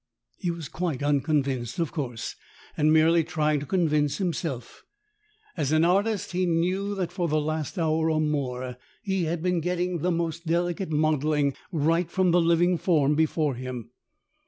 He was quite unconvinced, of course, and merely trying to convince himself. As an artist, he knew that for the last hour or more he had been getting the most delicate modelling right from 'the living form before him.